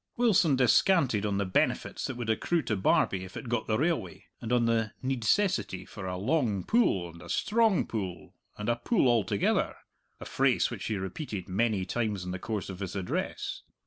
Wilson descanted on the benefits that would accrue to Barbie if it got the railway, and on the needcessity for a "long pull, and a strong pull, and a pull all together" a phrase which he repeated many times in the course of his address.